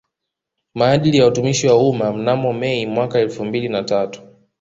Maadili ya Watumishi wa Umma mnamo Mei mwaka elfumbili na tatu